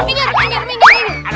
minggir anjar minggir